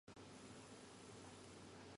O ɗonno mari ɓiɓɓe sappo e nay.